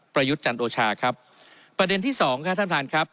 ยุทธ์จันโอชาครับประเด็นที่สองค่ะท่านท่านครับ